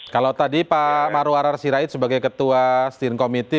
kalau tadi pak maru arar sirait sebagai ketua steering committee